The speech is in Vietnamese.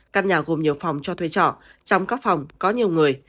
căn nhà gồm nhiều phòng cho thuê trọ trong các phòng có nhiều người